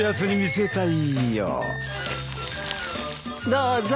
どうぞ。